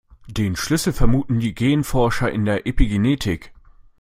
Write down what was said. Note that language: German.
Den Schlüssel vermuten die Genforscher in der Epigenetik.